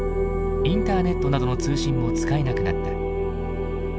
インターネットなどの通信も使えなくなった。